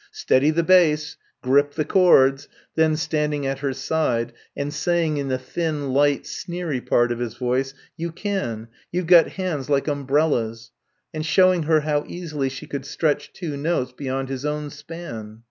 "Steady the bass"; "grip the chords," then standing at her side and saying in the thin light sneery part of his voice, "You can ... you've got hands like umbrellas" ... and showing her how easily she could stretch two notes beyond his own span.